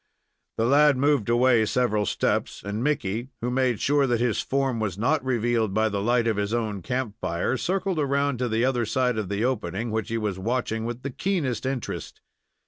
The lad moved away several steps, and Mickey, who made sure that his form was not revealed by the light of his own camp fire, circled around to the other side of the opening, which he was watching with the keenest interest.